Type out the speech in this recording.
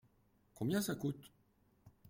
Combien ça coûte ?